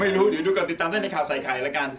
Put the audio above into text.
ไม่รู้เดี๋ยวก็ติดตามได้ในข่าวใส่ใครละกัน